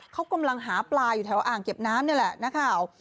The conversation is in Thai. เขากำลังหาปลาอยู่แถวอ่างเก็บน้ำนี่แหละนักข่าว